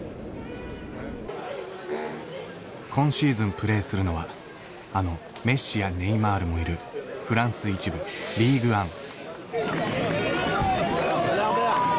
今シーズンプレーするのはあのメッシやネイマールもいるフランス１部リーグ・アン。